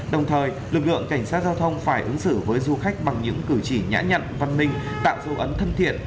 đồng thời lực lượng cảnh sát giao thông phải ứng xử với du khách bằng những cử chỉ nhã nhận văn minh tạo dấu ấn thân thiện